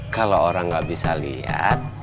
kalau orang nggak bisa lihat